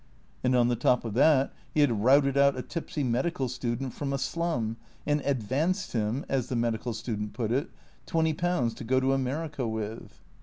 And on the top of that he had routed out a tipsy medical student from a slum, and " advanced him," as the medical student put it, twenty pounds to go to America with.